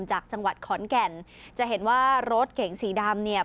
จากจังหวัดขอนแก่นจะเห็นว่ารถเก๋งสีดำเนี่ย